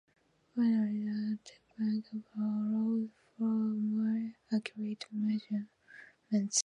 Finally, the added bulk allows for more accurate measurements.